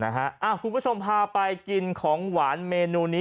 คุณผู้ชมพาไปกินของหวานเมนูนี้